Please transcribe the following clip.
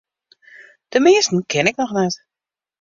De measten ken ik noch net.